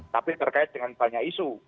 tapi terkait dengan banyak isu